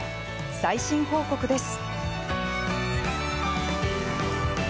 最新報告です。